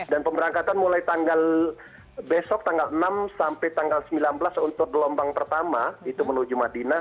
dan pemberangkatan mulai besok tanggal enam sampai tanggal sembilan belas untuk gelombang pertama itu menuju madinah